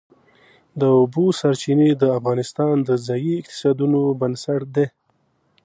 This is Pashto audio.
د اوبو سرچینې د افغانستان د ځایي اقتصادونو بنسټ دی.